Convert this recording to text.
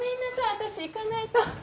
私行かないと。